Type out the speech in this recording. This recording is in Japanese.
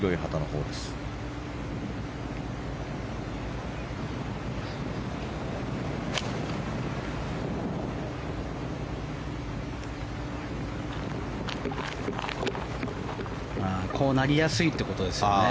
こうなりやすいということですよね。